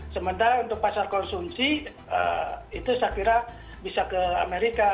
sementara untuk pasar konsumsi itu saya kira bisa ke amerika